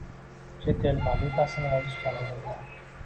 Chet el valyutasini olish jarayonida